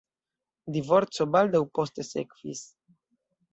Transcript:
Divorco baldaŭ poste sekvis.